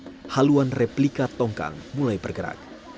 sehingga haluan replika tongkang mulai bergerak